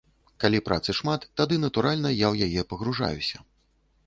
Калі працы шмат, тады, натуральна, я ў яе пагружаюся.